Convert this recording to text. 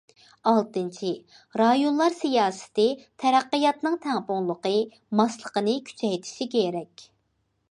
ئالتىنچى، رايونلار سىياسىتى تەرەققىياتنىڭ تەڭپۇڭلۇقى، ماسلىقىنى كۈچەيتىشى كېرەك.